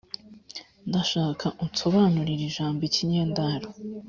Ndashaka unsobanurire ijambo ikinyendaro